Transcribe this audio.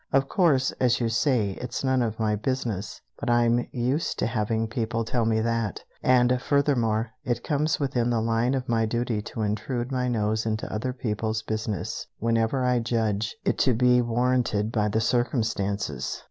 Of course, as you say, it's none of my business, but I'm used to having people tell me that; and furthermore, it comes within the line of my duty to intrude my nose into other people's business whenever I judge it to be warranted by the circumstances.